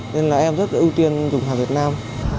nên là em rất ưu tiên dùng hàng việt nam